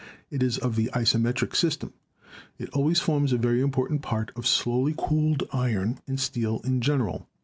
It is of the isometric system. It always forms a very important part of slowly cooled iron and steel in general.